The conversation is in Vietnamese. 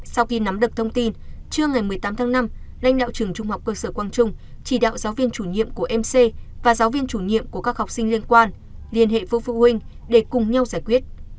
sau khi nắm được thông tin trưa ngày một mươi tám tháng năm lãnh đạo trường trung học cơ sở quang trung chỉ đạo giáo viên chủ nhiệm của mc và giáo viên chủ nhiệm của các học sinh liên quan liên hệ với phụ huynh để cùng nhau giải quyết